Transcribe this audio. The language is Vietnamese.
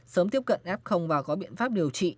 sớm tiếp cận f và có biện pháp điều trị